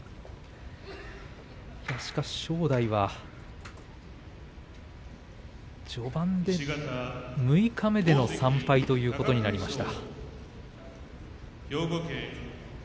しかし正代は、序盤で六日目での３敗ということになりました。